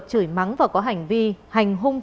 chửi mắng và có hành vi hành hung